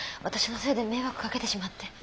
私のせいで迷惑かけてしまって。